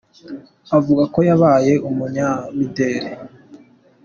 avuga ko yabaye umunyamideli.